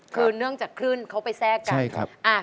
คือเนื่องจากขึ้นเขาไปแทรกกัน